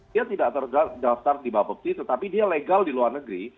dia tidak terdaftar di bapepti tetapi dia legal di luar negeri